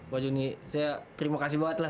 pak juni saya terima kasih banget lah